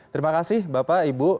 terima kasih bapak ibu